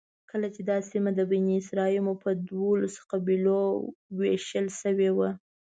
کله چې دا سیمه د بني اسرایلو په دولسو قبیلو وېشل شوې وه.